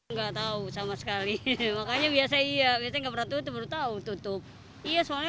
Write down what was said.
nggak tahu sama sekali makanya biasa iya nggak pernah tutup tahu tutup iya soalnya